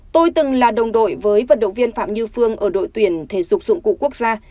tôi từng là đồng đội với vận động viên phạm như phương ở đội tuyển thể dục dụng cụ quốc gia